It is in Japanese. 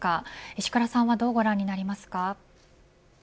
石倉さんはどうご覧になりますか。